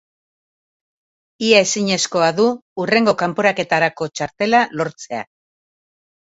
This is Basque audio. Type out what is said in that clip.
Ia ezinezkoa du hurrengo kanporaketarako txartela lortzea.